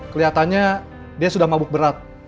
kelihatannya dia sudah mabuk berat